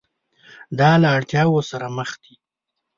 دا له اړتیاوو سره مخ دي.